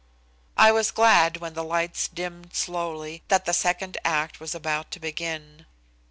I was glad when the lights dimmed slowly, that the second act was about to begin.